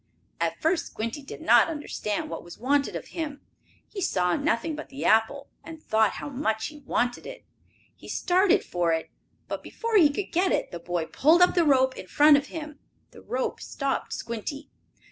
At first Squinty did not understand what was wanted of him. He saw nothing but the apple, and thought how much he wanted it. He started for it, but, before he could get it the boy pulled up the rope in front of him. The rope stopped Squinty.